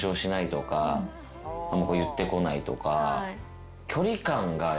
あんま言ってこないとか。